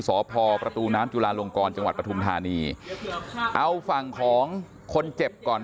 สพประตูน้ำจุลาลงกรจังหวัดปฐุมธานีเอาฝั่งของคนเจ็บก่อน